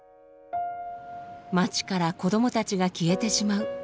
「街から子供たちが消えてしまう」。